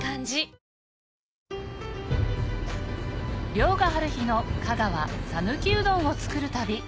遼河はるひの香川讃岐うどんを作る旅